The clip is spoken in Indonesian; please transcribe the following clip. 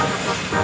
yang lebih dekat